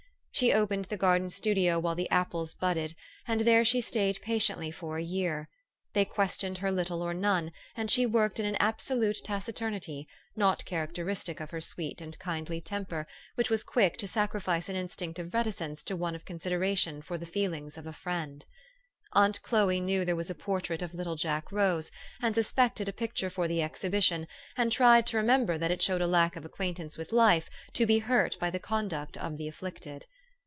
She opened the garden studio while the apples budded, and there she staid patiently for a year. They questioned her little or none ; and she worked in an absolute taciturnity, not characteristic of her THE STORY OF AVIS. 445 sweet and kindly temper, which was quick to sac rifice an instinct of reticence to one of considera tion for the feelings of a friend. Aunt Chloe knew there was a portrait of little Jack Rose, and suspect ed a picture for the exhibition, and tried to remem ber that it showed a lack of acquaintance with life to be hurt by the conduct of the afflicted.